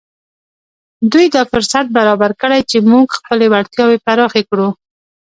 دوی دا فرصت برابر کړی چې موږ خپلې وړتیاوې پراخې کړو